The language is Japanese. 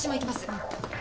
うん。